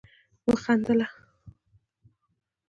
وخندله